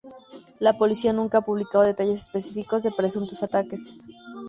La policía nunca ha publicado detalles específicos de presuntos ataques.